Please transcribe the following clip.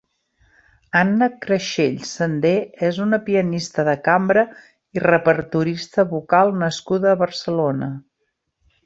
Anna Crexells Sender és una pianista de cambra i repertorista vocal nascuda a Barcelona.